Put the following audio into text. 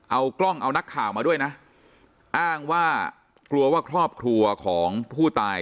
เอากล้องเอานักข่าวมาด้วยนะอ้างว่ากลัวว่าครอบครัวของผู้ตาย